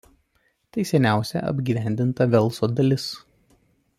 Tai seniausia apgyvendinta Velso dalis.